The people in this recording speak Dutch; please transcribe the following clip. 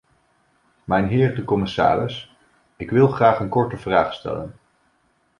Mijnheer de commissaris, ik wil graag een korte vraag stellen.